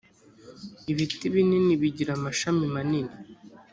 ibiti binini bigira amashami manini.